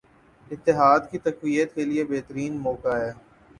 اتحاد کی تقویت کیلئے بہترین موقع ہے